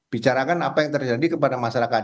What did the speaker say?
bicarakan apa yang terjadi kepada masyarakat